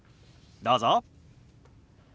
どうぞ。